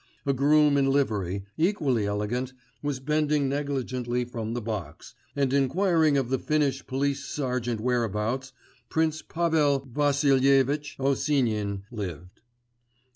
A groom in livery, equally elegant, was bending negligently from the box, and inquiring of the Finnish police sergeant whereabouts Prince Pavel Vassilyevitch Osinin lived.